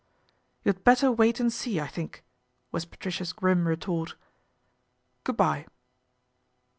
" You had better wait and see, I think," was Patricia's grim retort. " Good bye."